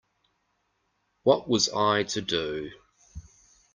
What was I to do?